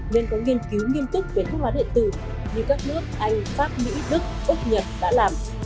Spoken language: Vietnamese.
nên có nghiên cứu nghiêm túc về thuốc lá điện tử như các nước anh pháp mỹ đức úc nhật đã làm